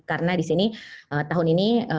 karena di sini tahun ini kita